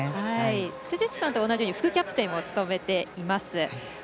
辻内さんと同じように副キャプテンも務めています。